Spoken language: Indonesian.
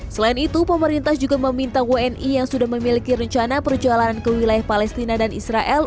selain itu pemerintah juga meminta wni yang sudah memiliki rencana perjalanan ke wilayah palestina dan israel